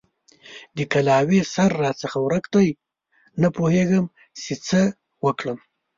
د کلاوې سر راڅخه ورک دی؛ نه پوهېږم چې څه وکړم؟!